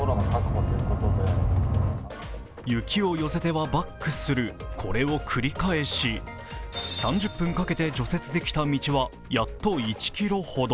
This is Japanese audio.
雪を寄せてはバックする、これを繰り返し３０分かけて除雪できた道はやっと１ｋｍほど。